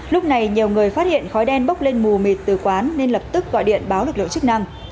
lúc này nhiều người phát hiện khói đen bốc lên mù mịt từ quán nên lập tức gọi điện báo lực lượng chức năng